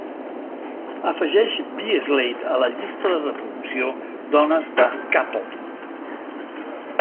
Afegeix BSlade a la llista de reproducció dones de k-pop